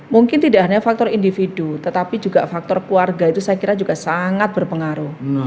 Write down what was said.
mungkin tidak hanya faktor individu tetapi juga faktor keluarga itu saya kira juga sangat berpengaruh